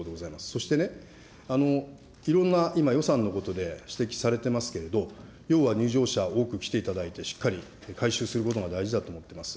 そしてね、いろんな今、予算のことで指摘されてますけれども、要は入場者、多く来ていただいて、しっかり回収することが大事だと思っています。